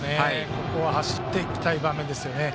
ここは走っていきたい場面ですね。